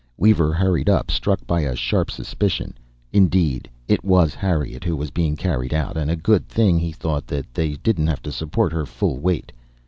Weaver hurried up, struck by a sharp suspicion. Indeed, it was Harriet who was being carried out and a good thing, he thought, that they didn't have to support her full weight.